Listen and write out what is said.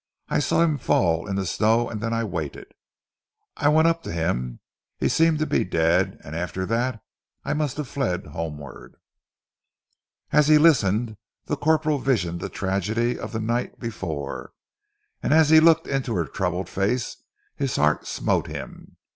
I saw him fall in the snow, and I waited. Then I went up to him. He seemed to be dead and after that I must have fled homeward." As he listened the corporal visioned the tragedy of the night before, and as he looked into her troubled face, his heart smote him.